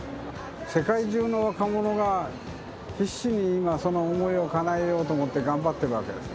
世界中の若者が必死に今、その思いをかなえようと思って頑張っているわけです。